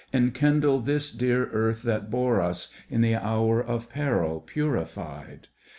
Enkindle this dear earth that bore us. In the hour of peril purified.